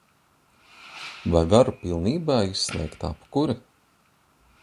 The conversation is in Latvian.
Vai varu pilnībā izslēgt apkuri?